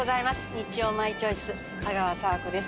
『日曜マイチョイス』阿川佐和子です。